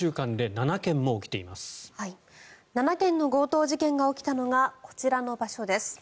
７件の強盗事件が起きたのが、こちらの場所です。